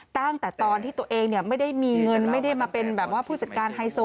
ตั้งแต่ตอนที่ตัวเองไม่ได้มีเงินไม่ได้มาเป็นแบบว่าผู้จัดการไฮโซ